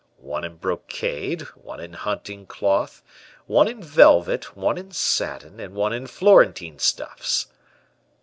One in brocade; one in hunting cloth; one in velvet; one in satin; and one in Florentine stuffs."